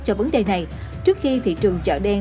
cho vấn đề này trước khi thị trường chợ đen